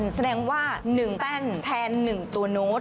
แสดงว่าหนึ่งแป้งแทนหนึ่งตัวโน้ต